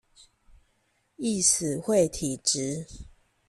易死會體質